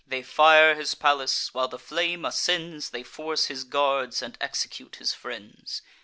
They fire his palace: while the flame ascends, They force his guards, and execute his friends.